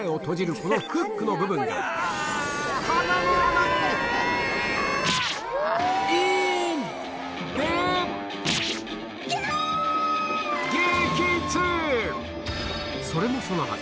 このフックの部分がそれもそのはず